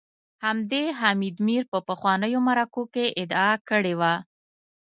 همدې حامد میر په پخوانیو مرکو کي ادعا کړې وه